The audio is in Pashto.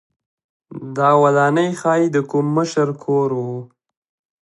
دا ودانۍ ښايي د کوم مشر کور و